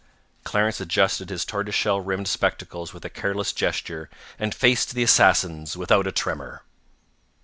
... "Clarence adjusted his tortoiseshell rimmed spectacles with a careless gesture, and faced the assassins without a tremor."